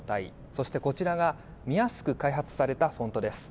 そして、こちらが見やすく開発されたフォントです。